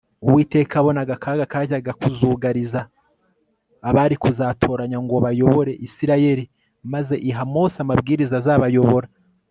uwiteka yabonaga akaga kajyaga kuzugariza abari kuzatoranywa ngo bayobore isirayeli maze iha mose amabwiriza azabayobora